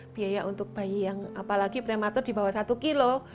biaya untuk bayi yang apalagi prematur dibawah satu kilo